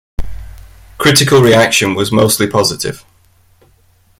Critical reaction was mostly positive.